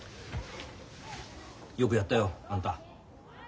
よくやったよあんた。